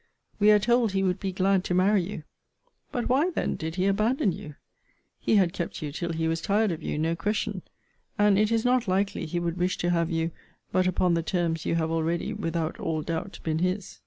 We are told he would be glad to marry you: But why, then, did he abandon you? He had kept you till he was tired of you, no question; and it is not likely he would wish to have you but upon the terms you have already without all doubt been his.